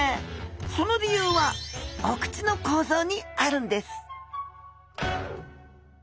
その理由はお口の構造にあるんです！